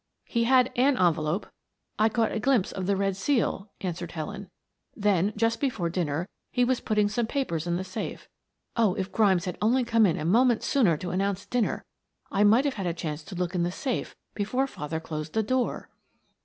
"He had an envelope I caught a glimpse of the red seal," answered Helen. "Then, just before dinner he was putting some papers in the safe. Oh, if Grimes had only come in a moment sooner to announce dinner, I might have had a chance to look in the safe before father closed the door."